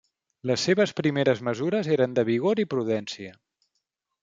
Les seves primeres mesures eren de vigor i prudència.